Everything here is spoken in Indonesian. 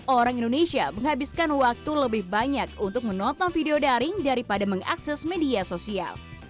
orang indonesia menghabiskan waktu lebih banyak untuk menonton video daring daripada mengakses media sosial